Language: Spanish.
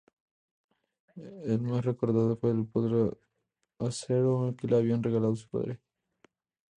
El más recordado fue el potro "Acero", que le habían regalado a su padre.